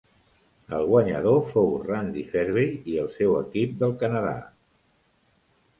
El guanyador fou Randy Ferbey i el seu equip del Canadà.